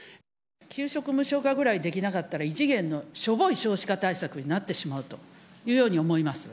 給食無償化ぐらいできなかったら、異次元のしょぼい少子化対策になってしまうというように思います。